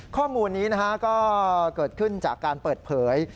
ข้อมูลนี้ก็เกิดขึ้นจากการเปิดเผย